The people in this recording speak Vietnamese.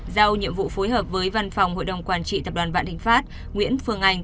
giao nhiệm vụ phối hợp với văn phòng hội đồng quản trị tập đoàn vạn thịnh pháp nguyễn phương anh